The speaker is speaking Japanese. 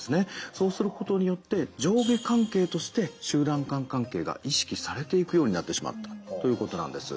そうすることによって上下関係として集団間関係が意識されていくようになってしまったということなんです。